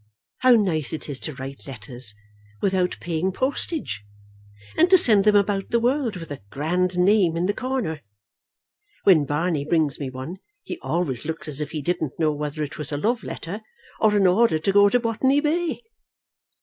How nice it is to write letters without paying postage, and to send them about the world with a grand name in the corner. When Barney brings me one he always looks as if he didn't know whether it was a love letter or an order to go to Botany Bay.